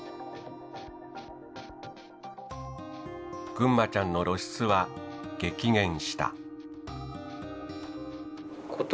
ぐんまちゃんの露出は激減した。